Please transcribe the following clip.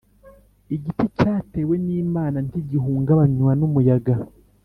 Igiti cyatewe n’Imana ntigihungabanywa n’umuyaga.